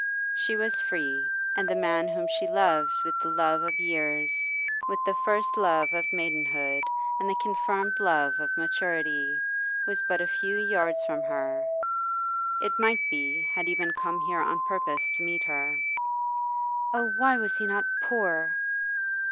She was free, and the man whom she loved with the love of years, with the first love of maidenhood and the confirmed love of maturity, was but a few yards from her it might be, had even come here on purpose to meet her. Oh, why was he not poor!